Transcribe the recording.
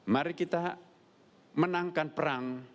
mari kita menangkan perang